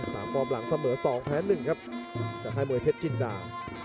สามฟอร์มหลังเสมอ๒แพน๑ครับจะให้มวยเพชรจินดา